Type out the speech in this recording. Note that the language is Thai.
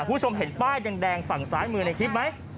คุณผู้ชมเห็นป้ายแดงฝั่งซ้ายมือในคลิปไหม